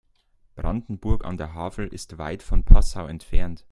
Brandenburg an der Havel ist weit von Passau entfernt